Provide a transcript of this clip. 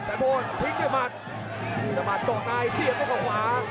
แผนพนธ์ทิ้งด้วยมันแผนพนธ์ตกนายเสียงด้วยขวา